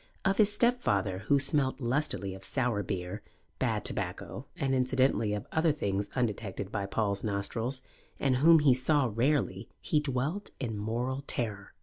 Of his stepfather, who smelt lustily of sour beer, bad tobacco and incidentally of other things undetected by Paul's nostrils, and whom he saw rarely, he dwelt in mortal terror.